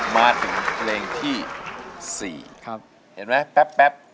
มาถึงเพลงที่๔เห็นไหมแป๊บ